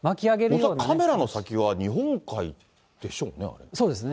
恐らくカメラの先は日本海でしょうね、あれね。